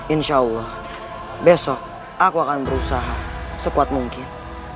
insya allah besok aku akan berusaha sekuat mungkin